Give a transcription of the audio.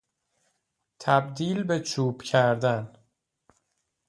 تبدیل به چوب کردن